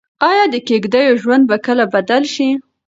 ايا د کيږديو ژوند به کله بدل شي؟